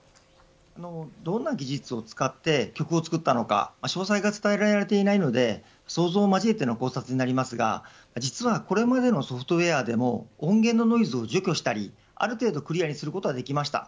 どんな技術を使って曲を作ったのか詳細が伝えられていないので想像を交えての考察になりますが実はこれまでのソフトウエアでも音源のノイズを除去したりある程度、クリアにすることはできました。